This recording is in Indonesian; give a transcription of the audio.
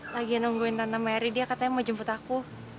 lagi nungguin tante merry dia katanya mau jemput aku